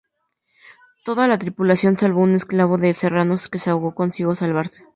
Toda la tripulación, salvo un esclavo de Serrano que se ahogó, consiguió salvarse.